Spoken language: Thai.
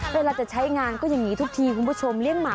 เวลาจะใช้งานก็อย่างนี้ทุกทีคุณผู้ชมเลี้ยงหมา